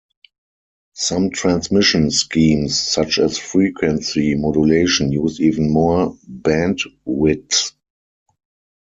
Some transmission schemes such as frequency modulation use even more bandwidth.